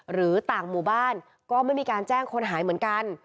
หรือต่างหมู่บ้านก็ไม่มีการแจ้งคนหายเหมือนกัน